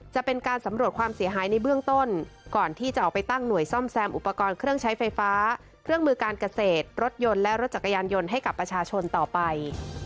จะเป็นการสำรวจความเสียหายในเบื้องต้นก่อนที่จะออกไปตั้งหน่วยซ่อมแซมอุปกรณ์เครื่องใช้ไฟฟ้าเครื่องมือการเกษตรรถยนต์และรถจักรยานยนต์ให้กับประชาชนต่อไป